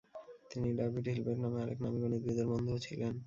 তিনি David Hilbert নামে আরেক নামী গণিতবিদের বন্ধুও ছিলেন।